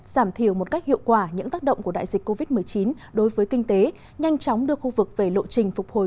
giảm thiểu một cách hiệu quả những tác động của đại dịch covid một mươi chín đối với kinh tế nhanh chóng đưa khu vực về lộ trình phục hồi